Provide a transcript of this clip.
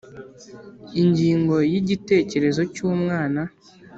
Ingingo ya igitekerezo cy umwana